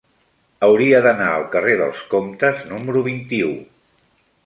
Hauria d'anar al carrer dels Comtes número vint-i-u.